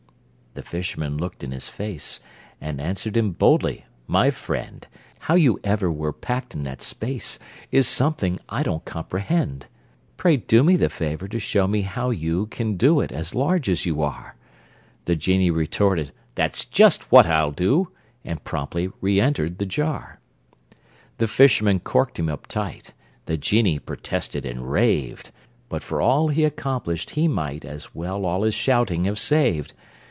The fisherman looked in his face, And answered him boldly: "My friend, How you ever were packed in that space Is something I don't comprehend. Pray do me the favor to show me how you Can do it, as large as you are." The genie retorted: "That's just what I'll do!" And promptly reëntered the jar. The fisherman corked him up tight: The genie protested and raved, But for all he accomplished, he might As well all his shouting have saved.